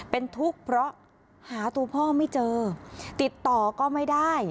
เป็นทุกข์เพราะหาตัวพ่อไม่เจอติดต่อก็ไม่ได้